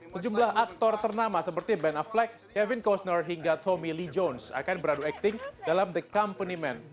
sejumlah aktor ternama seperti ben a flag kevin costner hingga tommy lee jones akan beradu acting dalam the company man